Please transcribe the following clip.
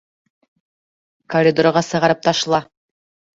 Коридорға сығарып ташла!